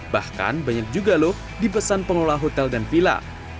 bahkan banyak juga loh dipesan pengelola hotel dan vila